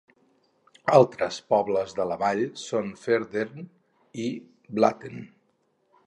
Altres pobles de la vall són Ferden i Blatten.